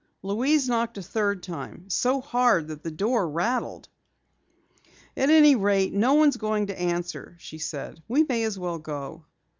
Louise knocked a third time, so hard that the door rattled. "At any rate, no one is going to answer," she said. "We may as well go."